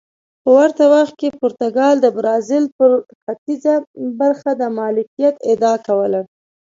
په ورته وخت کې پرتګال د برازیل پر ختیځه برخه د مالکیت ادعا کوله.